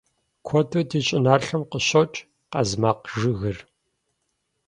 Куэду ди щӏыналъэм къыщокӏ къазмакъжыгыр.